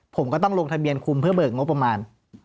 ผมก็ต้องลงทะเบียนคุมเพื่อเบิกงบประมาณ